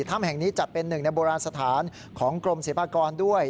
ถ้ำแห่งนี้จัดเป็นหนึ่งในโบราณสถานของกรมศิลปากรด้วย